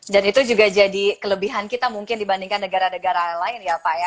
dan itu juga jadi kelebihan kita mungkin dibandingkan negara negara lain ya pak ya